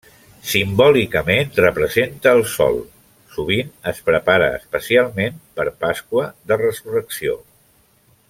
Simbòlicament representa el sol, sovint es prepara especialment per Pasqua de Resurrecció.